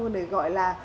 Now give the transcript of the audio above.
để gọi là